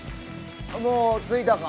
もう着いたか？